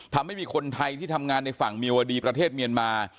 ทำให้มีคนไทยที่ทำงานในฝั่งเมียวดีประเทศเมียนมา